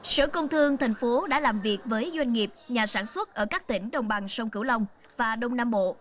sở công thương thành phố đã làm việc với doanh nghiệp nhà sản xuất ở các tỉnh đồng bằng sông cửu long và đông nam bộ